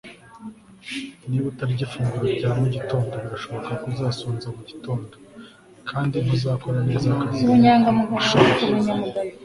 Niba utarya ifunguro rya mugitondo birashoboka ko uzasonza mugitondo kandi ntuzakora neza akazi nkuko ubishoboye